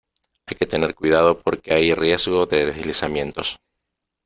Hay que tener cuidado porque hay riesgo de deslizamientos.